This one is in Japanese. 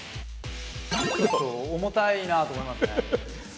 ちょっと重たいなあと思いますね。